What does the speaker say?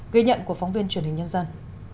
ghi nhận của phóng viên truyền hình nhân dân